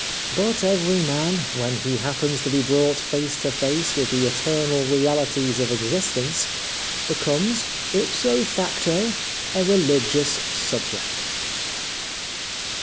But every man, when he happens to be brought face to face with the eternal realities of existence. ... becomes, ipso facto, a religious subject."